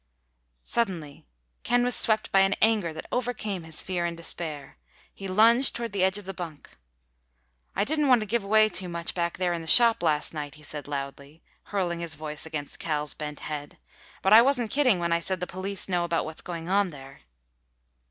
Suddenly Ken was swept by an anger that overcame his fear and despair. He lunged toward the edge of the bunk. "I didn't want to give away too much back there in the shop last night," he said loudly, hurling his voice against Cal's bent head, "but I wasn't kidding when I said the police know about what's going on there."